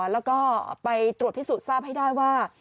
แล้วก็ไปตรวจพิสูจน์ทราบให้ได้ว่า